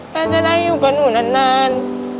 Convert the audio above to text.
ก็จะได้อยู่กับหนูนาน